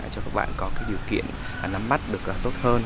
cho các bạn có điều kiện nắm mắt được tốt hơn